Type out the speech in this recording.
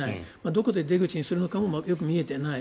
どこで出口にするかも見えていない。